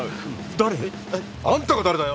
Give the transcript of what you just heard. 誰？あんたが誰だよ！